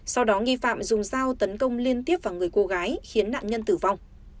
sau đó nghi phạm dùng dao tấn công liên tiếp vào người cô gái khiến nạn nhân tử vong